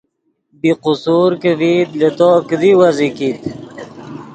بی قصور کہ ڤئیت لے تو کیدی ویزی کیت